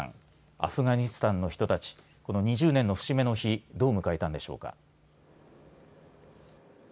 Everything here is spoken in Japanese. アフガニスタンの人たちこの２０年の節目の日をどう迎えたんでしょうか。